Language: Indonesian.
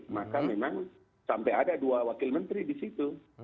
maka memang sampai ada dua wakil menteri di situ